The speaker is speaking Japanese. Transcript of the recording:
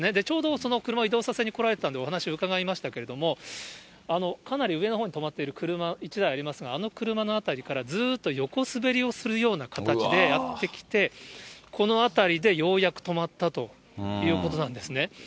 ちょうどその車を移動させに来られてたんでお話伺いましたけれども、かなり上のほうに止まっている車、１台ありますが、あの車の辺りからずっと横滑りをするような形でやって来て、この辺りでようやく止まったということなんですね。